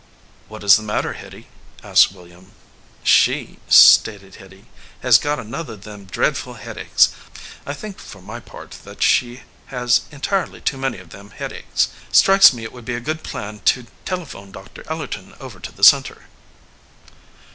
"What is the matter, Hitty?" asked William. "She," stated Hitty, "has got another of them dreadful headaches. I think, for my part, that she 5 57 EDGEWATER PEOPLE has entirely too many of them headaches. Strikes me it would be a good plan to telephone Doctor Ellerton over to the Center."